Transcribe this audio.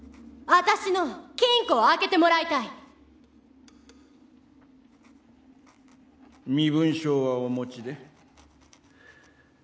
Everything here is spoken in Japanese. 私の金庫を開けてもらいたい身分証はお持ちで？